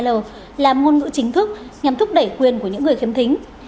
sa sa là ngôn ngữ chính thức nhằm thúc đẩy quyền của những người khiếm thính